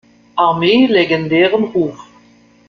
Armee legendären Ruf.